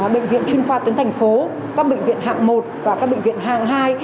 bệnh viện chuyên khoa tuyến thành phố các bệnh viện hạng một và các bệnh viện hạng hai